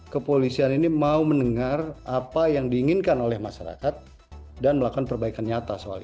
kepolisian ini mau mendengar apa yang diinginkan oleh masyarakat dan melakukan perbaikan nyata soal ini